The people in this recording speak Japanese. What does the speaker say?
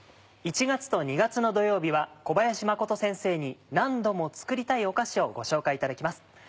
１月と２月の土曜日は小林良先生に何度も作りたいお菓子をご紹介いただきます。